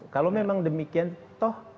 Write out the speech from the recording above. kalau memang demikian toh